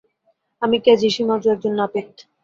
আমি Keiji Shimazu, একজন নাপিত।